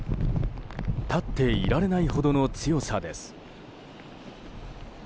立っていられないほどの強さです。